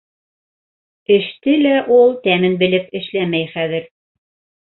Эште лә ул тәмен белеп эшләмәй хәҙер.